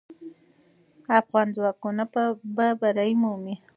افغان ځواکونه به بری مومي.